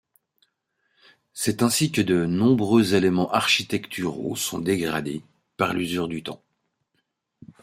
C'est ainsi que de nombreux éléments architecturaux sont dégradés, par l'usure du temps.